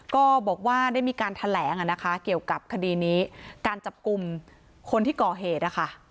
ก็บอกว่าได้มีการแถลงนะคะเกี่ยวกับคดีนี้การจับกลุ่มคนที่ก่อเหตุนะคะ